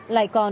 lãi suất khủng